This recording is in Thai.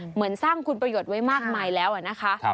เหมือนสร้างคุณประโยชน์ไว้มากมายแล้วนะคะ